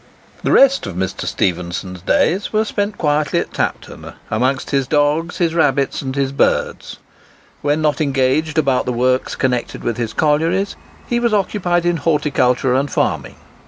The rest of Mr. Stephenson's days were spent quietly at Tapton, amongst his dogs, his rabbits, and his birds. When not engaged about the works connected with his collieries, he was occupied in horticulture and farming.